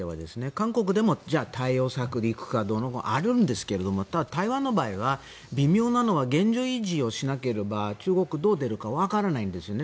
韓国でもじゃあ対応策に行くかどうのこうのがあるんですがただ、台湾の場合は微妙なのは現状維持をしなければ中国がどう出るかわからないんですよね。